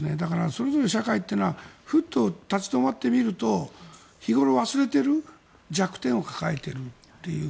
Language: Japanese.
それぞれ社会というのはふと立ち止まって見ると日頃忘れてる弱点を抱えているという。